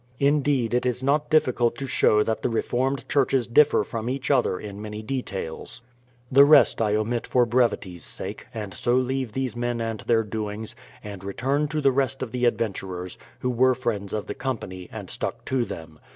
Indeed it is not difficult to show that the Reformed Churches differ from each other in many details. The rest I omit for brevity's sake ; and so leave these men and their doings, and return to the rest of the adventurers, who were friends of the company and stuck to them.